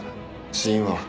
死因は？